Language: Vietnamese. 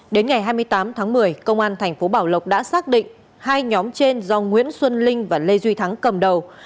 đến ngày hai mươi tám tháng một mươi công an thành phố bảo lộc đã xác định hai nhóm trên do nguyễn xuân linh và lê duy thắng cầm đầu